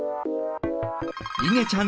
いげちゃん